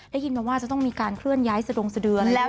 ได้ยินไหมว่าจะต้องมีการเคลื่อนย้ายสะดงสะเดืออะไรด้วย